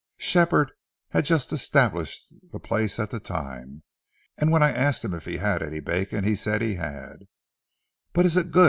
Shepherd had just established the place at the time, and when I asked him if he had any bacon, he said he had, 'But is it good?'